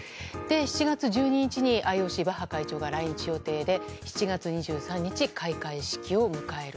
７月１２日にＩＯＣバッハ会長が来日予定で７月２３日、開会式を迎える。